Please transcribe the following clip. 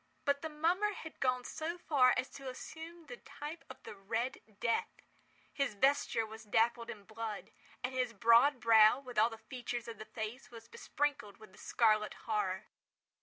But the mummer had gone so far as to assume the type of the Red Death. His vesture was dabbled in blood—and his broad brow, with all the features of the face, was besprinkled with the scarlet horror.